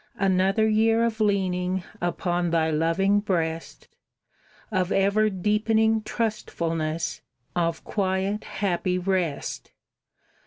Another year of leaning Upon Thy loving breast, Of ever deepening trustfulness, Of quiet, happy rest.